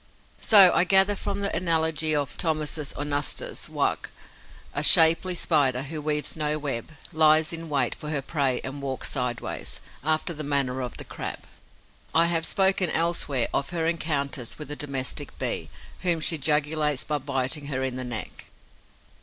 So I gather from the analogy of Thomisus onustus, WALCK., a shapely Spider who weaves no web, lies in wait for her prey and walks sideways, after the manner of the Crab. I have spoken elsewhere of her encounters with the Domestic Bee, whom she jugulates by biting her in the neck.